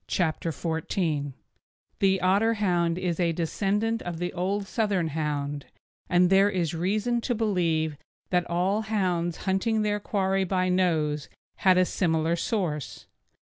CHAPTER XIV THE OTTERHOUND The Otterhound is a descendant of the old Southern Hound, and there is reason to believe that all hounds hunting their quarry by nose had a similar source.